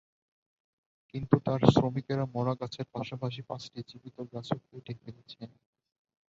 কিন্তু তাঁর শ্রমিকেরা মরা গাছের পাশাপাশি পাঁচটি জীবিত গাছও কেটে ফেলেছেন।